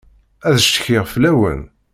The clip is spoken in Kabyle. Ad ccetkiɣ fell-awen.